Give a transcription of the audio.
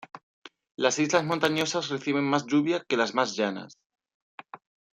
Las islas montañosas reciben más lluvia que las más llanas.